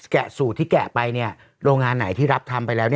สูตรที่แกะไปเนี่ยโรงงานไหนที่รับทำไปแล้ว